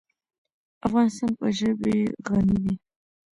افغانستان په ژبې غني دی.